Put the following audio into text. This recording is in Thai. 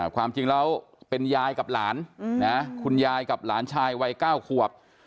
ความจริงแล้วเป็นยายกับหลานคุณยายกับหลานชายวัย๙ขวบ